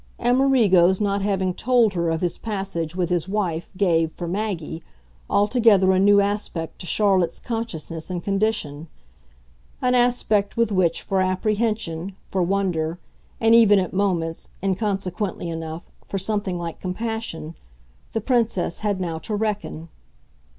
Amerigo's not having "told" her of his passage with his wife gave, for Maggie, altogether a new aspect to Charlotte's consciousness and condition an aspect with which, for apprehension, for wonder, and even, at moments, inconsequently enough, for something like compassion, the Princess had now to reckon.